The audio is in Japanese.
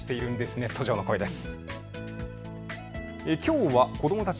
ネット上の声です。